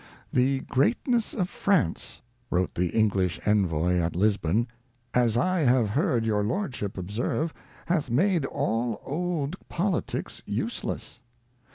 ' The Greatness of France,' wrote the English Envoy at Lisbon, ' as I have heard your Lordship observe, hath made all old politics useless.'